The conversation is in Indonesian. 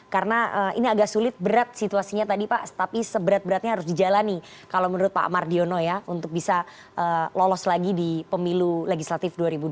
karena ini agak sulit berat situasinya tadi pak tapi seberat beratnya harus dijalani kalau menurut pak amardiono ya untuk bisa lolos lagi di pemilu legislatif dua ribu dua puluh empat